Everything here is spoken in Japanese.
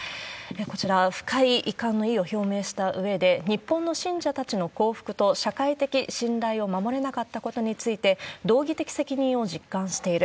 こちら、深い遺憾の意を表明したうえで、日本の信者たちの幸福と社会的信頼を守れなかったことについて、道義的責任を実感している。